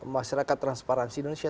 masyarakat transparansi indonesia